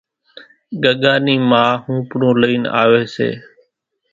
ڳڳا نِي ما ۿوپڙون لئين آوي سي